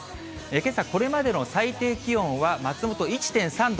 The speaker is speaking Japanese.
けさ、これまでの最低気温は松本１．３度。